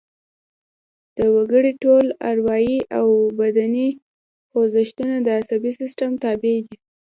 د وګړي ټول اروايي او بدني خوځښتونه د عصبي سیستم تابع دي